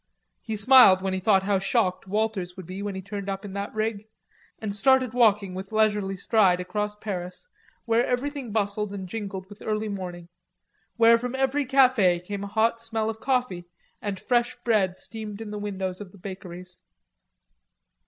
He smiled when he thought how shocked Walters would be when he turned up in that rig, and started walking with leisurely stride across Paris, where everything bustled and jingled with early morning, where from every cafe came a hot smell of coffee, and fresh bread steamed in the windows of the bakeries.